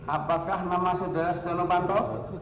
apakah nama saudara steno fanto